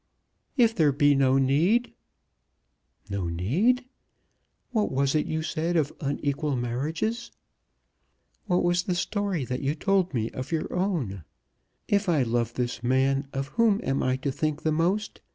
"If there be no need?" "No need? What was it you said of unequal marriages? What was the story that you told me of your own? If I love this man, of whom am I to think the most?